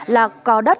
là cò đất